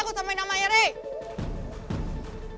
kamu belum panggil dia kan